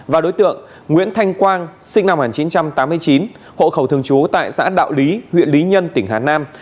và đối tượng nguyễn thanh quang sinh năm một nghìn chín trăm tám mươi chín hộ khẩu thường trú tại xã đạo lý huyện lý nhân tỉnh hà nam